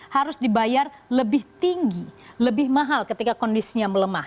harus dibayar lebih tinggi lebih mahal ketika kondisinya melemah